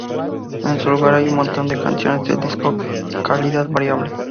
En su lugar hay un montón de canciones del disco de calidad variable.